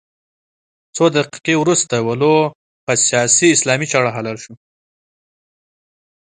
څو دقيقې وروسته ولو په سیاسي اسلام چاړه حلال شو.